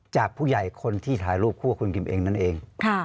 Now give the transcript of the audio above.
จากผู้ใหญ่คนที่ถ่ายรูปคู่กับคุณกิมเองนั่นเอง